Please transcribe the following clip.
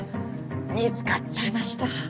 見つかっちゃいました。